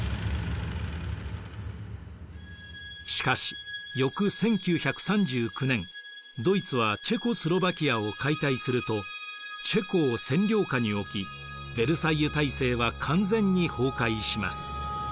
しかし翌１９３９年ドイツはチェコスロヴァキアを解体するとチェコを占領下に置きヴェルサイユ体制は完全に崩壊します。